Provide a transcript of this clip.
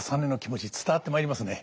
伝わってまいりますね。